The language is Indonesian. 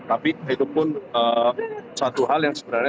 tapi itu pun satu hal yang sebenarnya